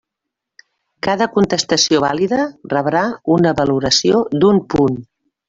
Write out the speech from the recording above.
Cada contestació vàlida rebrà una valoració d'un punt.